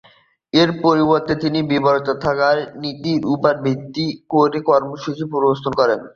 এর পরিবর্তে তিনি বিরত থাকার নীতির ওপর ভিত্তি করে কর্মসূচি প্রস্তাব করেন।